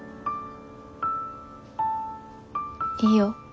いいよ